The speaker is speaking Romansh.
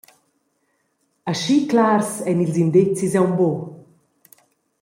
Aschi clars ein ils indezis aunc buc.